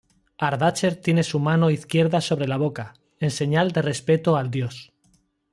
Ardacher tiene su mano izquierda sobre la boca, en señal de respeto al dios.